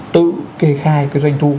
tự kê khai cái doanh thu